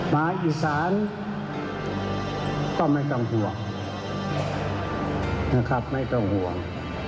มาอีสานก็ไม่ต้องห่วงนะครับไม่ต้องห่วง